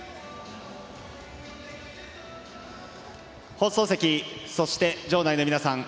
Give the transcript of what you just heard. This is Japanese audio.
放送席、そして場内の皆さん。